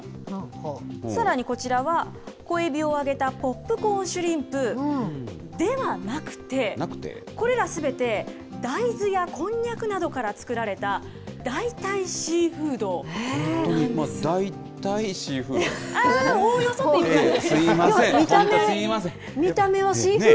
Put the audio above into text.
さらにこちらは、小エビを揚げたポップコーンシュリンプではなくて、これらはすべて、大豆やこんにゃくなどから作られた代替シーフードなんです。